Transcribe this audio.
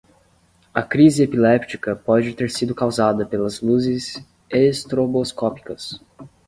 A crise epiléptica pode ter sido causada pelas luzes estroboscópicas.